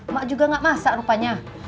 mak juga gak masak rupanya